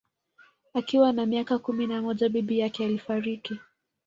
Akiwa na miaka kumi na moja bibi yake alifariki